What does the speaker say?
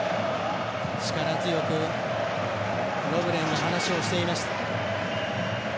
力強く、ロブレンが話をしていました。